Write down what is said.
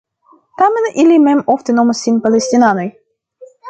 Tamen, ili mem ofte nomas sin Palestinanoj.